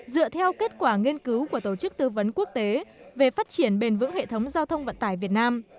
dựa theo kết quả nghiên cứu của tổ chức tư vấn quốc tế về phát triển bền vững hệ thống giao thông vận tải việt nam